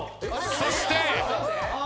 そして。